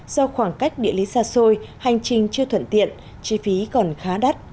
do khoảng cách địa lý xa xôi hành trình chưa thuận tiện chi phí còn khá đắt